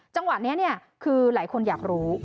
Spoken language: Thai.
จังหวะนี้คือหลายคนอยากรู้